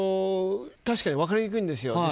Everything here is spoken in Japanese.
確かに分かりにくいんですよ。